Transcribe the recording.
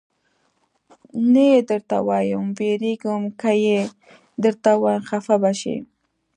نه یې درته وایم، وېرېږم که یې درته ووایم خفه به شې.